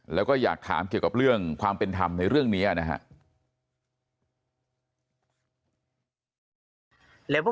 แล้วก็อยากถามเกี่ยวกับเรื่องความเป็นธรรมในเรื่องนี้นะครับ